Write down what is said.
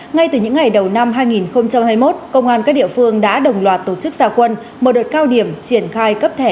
ngay từ những ngày đầu năm hai nghìn hai mươi một công an các địa phương đã đồng loạt tổ chức gia quân mở đợt cao điểm triển khai cấp thẻ